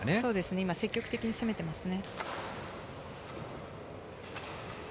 今、積極的に攻めていますね。